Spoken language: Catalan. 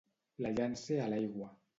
La llance a l'aigua.